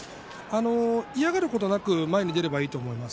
嫌がることなく前に出ればいいと思います。